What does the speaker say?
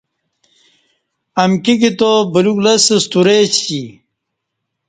امکی کتاب بلیوک لستہ ستُورئ سی